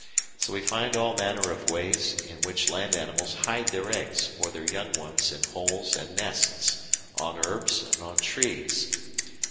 So we find all manner of ways in which land animals hide their eggs or their young ones in holes and nests, on herbs and on trees.